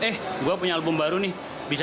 eh gue punya album baru nih bisa